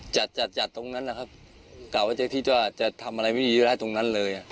จัดจัดจัดตรงนั้นนะครับกล่าวว่าจะทิศว่าจะทำอะไรไม่มีอะไรตรงนั้นเลย